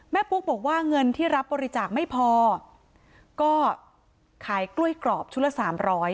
ปุ๊กบอกว่าเงินที่รับบริจาคไม่พอก็ขายกล้วยกรอบชุดละสามร้อย